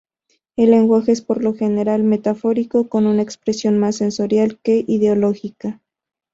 El lenguaje es por lo general metafórico, con una expresión más sensorial que ideológica.